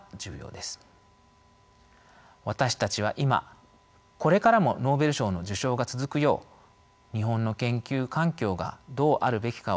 私たちは今これからもノーベル賞の受賞が続くよう日本の研究環境がどうあるべきかをしっかりと見直し